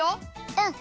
うん。